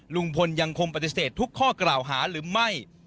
ลุงพลยังคงปฏิเสธทุกข้อกล่าวหาหรือไม่